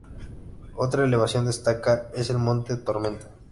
Otra elevación destacada es el monte Tormenta.